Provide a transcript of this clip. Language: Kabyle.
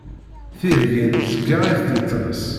Tirgin zeggaɣit di tmes.